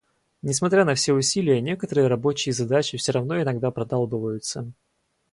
Несмотря на все усилия, некоторые рабочие задачи всё равно иногда продалбываются.